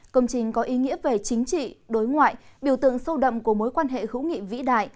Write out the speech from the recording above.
công trình có ý nghĩa về chính trị đối ngoại biểu tượng sâu đậm của mối quan hệ hữu nghị vĩ đại